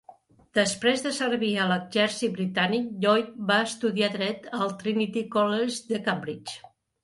Després de servir a l'exèrcit britànic, Lloyd va estudiar dret al Trinity College de Cambridge.